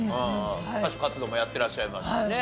歌手活動もやってらっしゃいますしね。